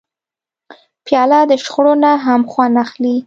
پیاله د شخړو نه هم خوند اخلي.